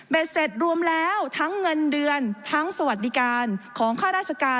เสร็จรวมแล้วทั้งเงินเดือนทั้งสวัสดิการของข้าราชการ